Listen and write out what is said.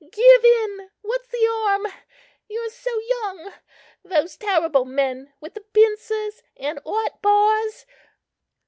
Give in. What's the harm? you are so young: those terrible men with the pincers and hot bars!"